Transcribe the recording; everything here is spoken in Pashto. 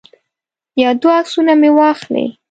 یو دوه عکسونه مې واخلي.